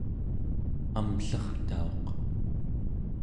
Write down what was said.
amllertauq